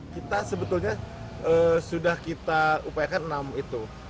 kita sebetulnya sudah kita upayakan enam itu